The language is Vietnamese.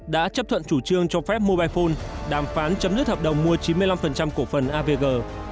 đã chấp thuận chủ trương cho phép mobile phone đàm phán chấm dứt hợp đồng mua chín mươi năm cổ phần avg